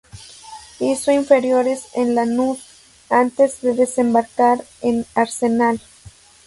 Hizo inferiores en Lanús, antes de desembarcar en Arsenal.